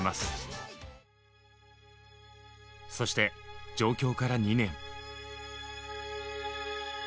そして上京から２年。